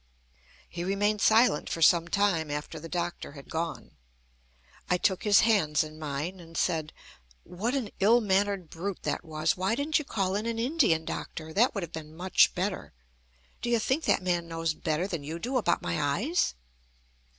He remained silent for some time after the doctor had gone. I took his hands in mine, and said: "What an ill mannered brute that was! Why didn't you call in an Indian doctor? That would have been much better. Do you think that man knows better than you do about my eyes?"